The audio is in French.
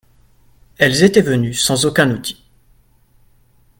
Elles étaient venus sans aucun outil.